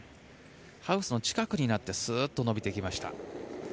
ハウスの近くになってスーッと伸びてきました。